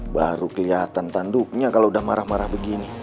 baru kelihatan tanduknya kalau udah marah marah begini